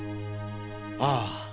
ああ。